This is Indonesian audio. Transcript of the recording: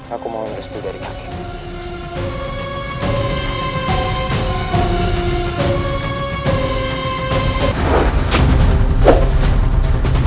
aku menghentikannya dari kakek